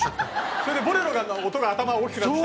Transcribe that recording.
それで『ボレロ』の音が頭大きくなって。